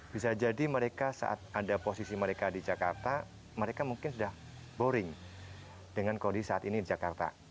bisa jadi mereka saat ada posisi mereka di jakarta mereka mungkin sudah boring dengan kondisi saat ini di jakarta